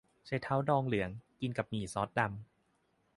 ไชเท้าดองเหลือง กินกับหมี่ซอสดำ